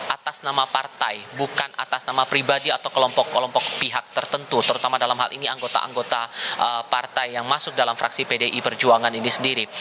atas nama partai bukan atas nama pribadi atau kelompok kelompok pihak tertentu terutama dalam hal ini anggota anggota partai yang masuk dalam fraksi pdi perjuangan ini sendiri